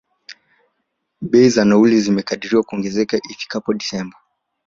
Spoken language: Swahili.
Bei za nauli, zimekadiriwa kuongezeka ifikapo December.